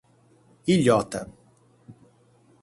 Ilhota